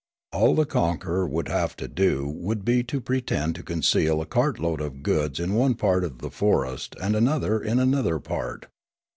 All the conqueror would have to do would be to pretend to conceal a cart load of goods in one part of the forest and another in another part.